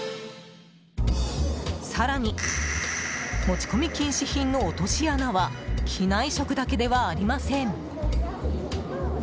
更に持ち込み禁止品の落とし穴は機内食だけではありません。